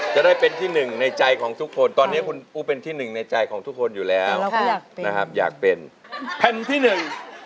ไม่เอาเดี๋ยวเอาไว้ใช้ตัวหลัง